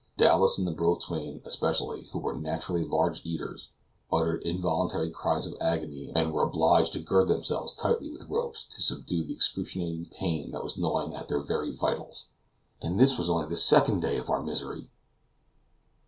Dowlas and the boatswain especially, who were naturally large eaters, uttered involuntary cries of agony, and were obliged to gird themselves tightly with ropes to subdue the excruciating pain that was gnawing their very vitals. And this was only the second day of our misery!